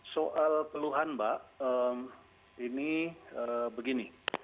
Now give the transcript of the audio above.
soal keluhan mbak ini begini